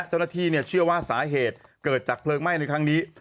เจ้าหน้าที่เชื่อว่าสาเหตุเกิดจากเพลิงไหม้ในครั้งนี้